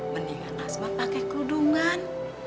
mendingan asmat pakai kerudungan